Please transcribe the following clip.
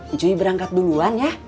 ucuy berangkat duluan ya